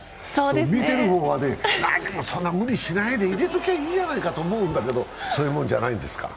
見てる方まで、そんな無理しないで入れときゃいいじゃないかと思うんですけど、そういうもんじゃないんですか？